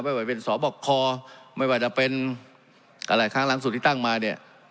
ไม่ว่าเป็นสอบอกคอไม่ว่าจะเป็นอะไรข้างหลังสูตรที่ตั้งมาเนี้ย